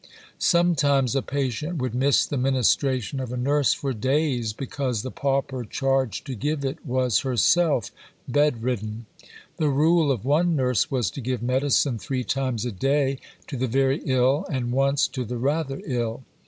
Sometimes a patient would miss the ministration of a nurse for days because the pauper charged to give it was herself bed ridden. The rule of one nurse was to give medicine three times a day to the very ill and once to the rather ill.